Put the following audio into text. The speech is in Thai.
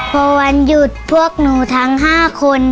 พอวันหยุดพวกหนูทั้ง๕คน